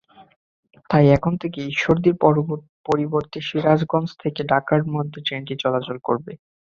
তাই এখন থেকে ঈশ্বরদীর পরিবর্তে সিরাজগঞ্জ থেকে ঢাকার মধ্যে ট্রেনটি চলাচল করবে।